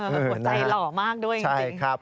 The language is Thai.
หัวใจหล่อมากด้วยจริง